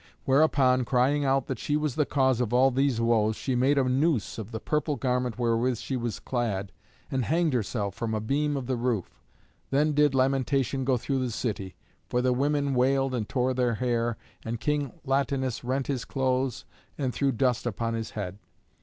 Whereupon, crying out that she was the cause of all these woes, she made a noose of the purple garment wherewith she was clad, and hanged herself from a beam of the roof. Then did lamentation go through the city, for the women wailed and tore their hair, and King Latinus rent his clothes and threw dust upon his head.